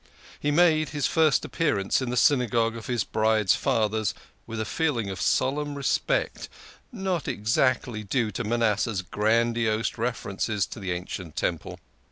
He made his first appearance in the Synagogue of his bride's fathers with a feeling of solemn respect, not exactly due to Manasseh's grandiose references to the ancient temple.